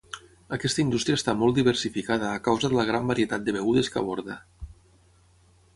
Aquesta indústria està molt diversificada a causa de la gran varietat de begudes que aborda.